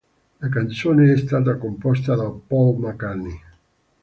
La canzone è stata composta da Paul McCartney.